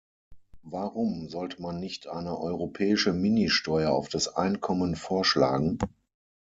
Warum sollte man nicht eine europäische Ministeuer auf das Einkommen vorschlagen?